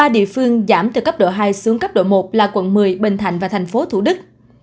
ba địa phương giảm từ cấp độ hai xuống cấp độ một là quận một mươi bình thạnh và thành phố thủ đức